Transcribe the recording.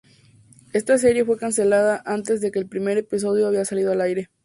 Esa serie fue cancelada antes de que el primer episodio había salido al aire.